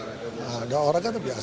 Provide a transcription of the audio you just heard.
nah ada orang kan biasa kalah